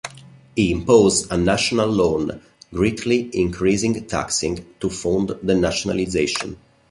He imposed a "National Loan", greatly increasing taxing, to fund the nationalization.